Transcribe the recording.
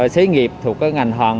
xế nghiệp thuộc ngành hoàn